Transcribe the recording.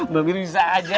bapak mir bisa aja